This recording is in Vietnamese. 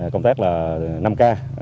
công tác năm k